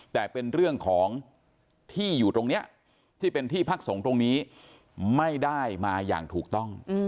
แต่เป็นเรื่องของที่อยู่ตรงนี้ที่เป็นที่พักสงฆ์ตรงนี้ไม่ได้มาอย่างถูกต้อง